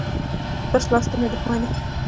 تشه لاسه ته مي دښمن يي.